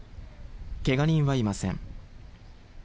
怪我人はいません。